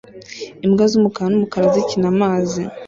Imbwa z'umukara n'umukara zikina amazi